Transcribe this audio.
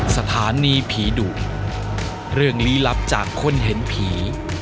สถานีผีดุเรื่องลี้ลับจากคนเห็นผี